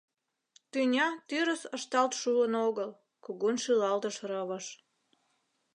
— Тӱня тӱрыс ышталт шуын огыл! — кугун шӱлалтыш Рывыж.